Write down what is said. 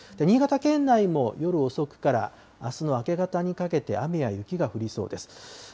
新潟県内も夜遅くからあすの明け方にかけて、雨や雪が降りそうです。